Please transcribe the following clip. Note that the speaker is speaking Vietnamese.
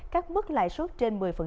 các mức lại suất trên một mươi